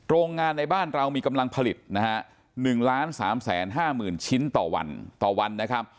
โรงงานในบ้านเรามีกำลังผลิต๑๓๕๐๐๐๐ชิ้นต่อวัน